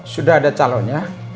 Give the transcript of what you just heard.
sudah ada calonnya